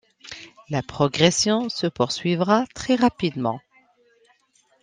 La progression se poursuivra très rapidement.